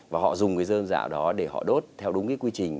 và họ dùng cái dơm dạo đó để họ đốt theo đúng cái quy trình